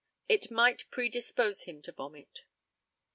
It might predispose him to vomit.